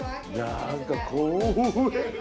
何かこえ。